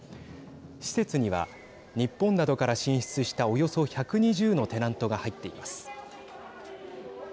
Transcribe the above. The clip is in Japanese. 施設には日本などから進出したおよそ１２０のテナントが入っています。